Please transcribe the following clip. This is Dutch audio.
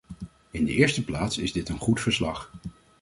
In de eerste plaats is dit een goed verslag.